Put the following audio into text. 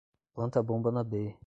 Planta a bomba na B